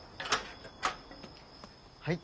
はい。